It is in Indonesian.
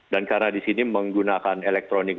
dan karena di sini menggunakan elektronik